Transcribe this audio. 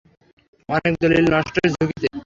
অনেক দলিল নষ্টের ঝুঁকিতে।